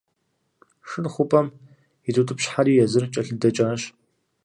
Шыр хъупӏэм ириутӏыпщхьэри, езыр кӏэлъыдэкӏащ.